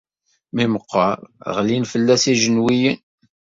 Mi meqqeṛ ɣlin fell-as ijenwiyen.